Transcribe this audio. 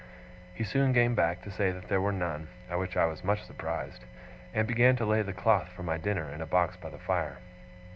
He soon came back to say that there were none (at which I was much surprised) and began to lay the cloth for my dinner in a box by the fire.